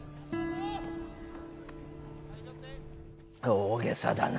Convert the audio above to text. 大げさだな。